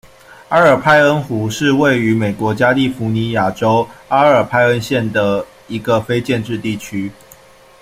阿尔派恩湖是位于美国加利福尼亚州阿尔派恩县的一个非建制地区。